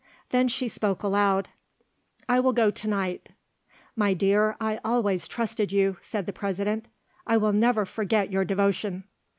Then she spoke aloud. "I will go to night." "My dear, I always trusted you," said the President; "I will never forget your devotion."